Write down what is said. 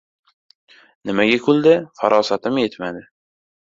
Nimaga kuldi — farosatim yetmadi.